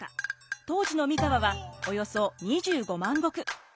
当時の三河はおよそ２５万石。